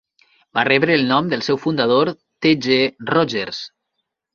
Va rebre el nom del seu fundador, T. G. Rogers.